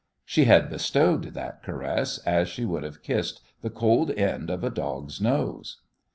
She had bestowed that caress as she would have kissed the cold end of a dog's nose.